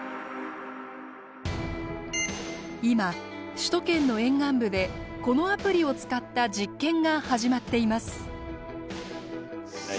首都圏の沿岸部でこのアプリを使った実験が始まっています。